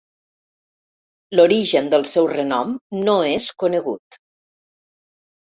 L'origen del seu renom no és conegut.